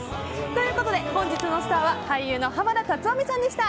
ということで本日のスターは俳優の濱田龍臣さんでした。